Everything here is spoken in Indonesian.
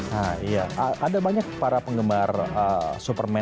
nah iya ada banyak para penggemar superman